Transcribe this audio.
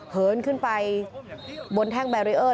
เหินขึ้นไปบนแท่งแบรีเออร์